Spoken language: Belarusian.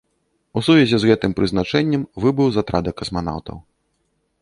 У сувязі з гэтым прызначэннем выбыў з атрада касманаўтаў.